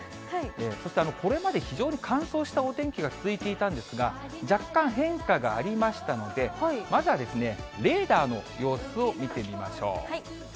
そしてこれまで非常に乾燥したお天気が続いていたんですが、若干変化がありましたので、まずは、レーダーの様子を見てみましょう。